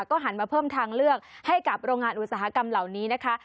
ก็หันมาเพิ่มทางเลือกให้กับโรงงานอุตสาหกรรมเหล่านี้นะคะ